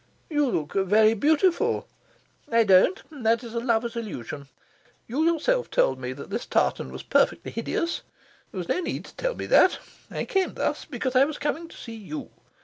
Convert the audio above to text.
"You look very beautiful." "I don't. That is a lover's illusion. You yourself told me that this tartan was perfectly hideous. There was no need to tell me that. I came thus because I was coming to see you.